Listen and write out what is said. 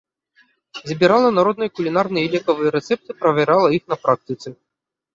Збірала народныя кулінарныя і лекавыя рэцэпты, правярала іх на практыцы.